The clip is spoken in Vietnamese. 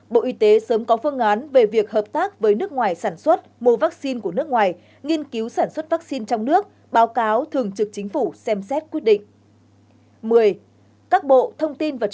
bộ y tế sớm có phương án về việc hợp tác với nước ngoài sản xuất mua vaccine của nước ngoài nghiên cứu sản xuất vaccine trong nước báo cáo thường trực chính phủ xem xét quyết định